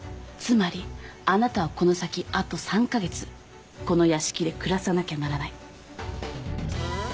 つまりあなたはこの先あと３カ月この屋敷で暮らさなきゃならない。